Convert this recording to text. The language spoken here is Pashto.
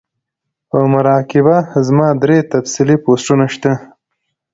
پۀ مراقبه زما درې تفصيلی پوسټونه شته